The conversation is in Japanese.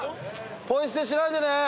ポイ捨てしないでね。